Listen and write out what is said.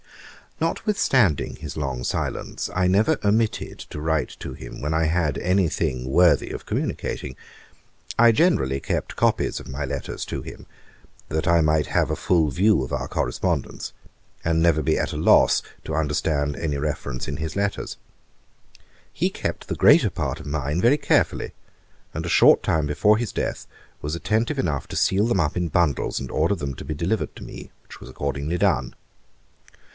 Notwithstanding his long silence, I never omitted to write to him when I had any thing worthy of communicating. I generally kept copies of my letters to him, that I might have a full view of our correspondence, and never be at a loss to understand any reference in his letters. He kept the greater part of mine very carefully; and a short time before his death was attentive enough to seal them up in bundles, and order them to be delivered to me, which was accordingly done.